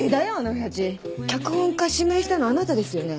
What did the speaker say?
「脚本家指名したのあなたですよね？」